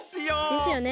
ですよね。